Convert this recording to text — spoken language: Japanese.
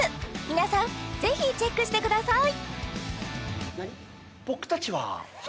皆さんぜひチェックしてください